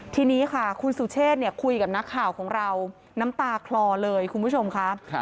ทีนี้ค่ะคุณสุเชษคุยกับนักข่าวของเราน้ำตาคลอเลยคุณผู้ชมค่ะ